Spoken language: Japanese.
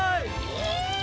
え！？